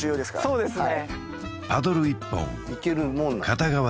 そうですね